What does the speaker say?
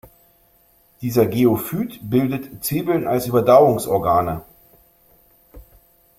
Dieser Geophyt bildet Zwiebeln als Überdauerungsorgane.